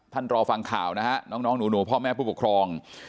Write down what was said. ท่านรอฟังข่าวนะครับน้องหนูหนูพ่อแม่ผู้ปกครอง